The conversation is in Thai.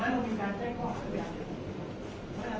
แต่ว่าไม่มีปรากฏว่าถ้าเกิดคนให้ยาที่๓๑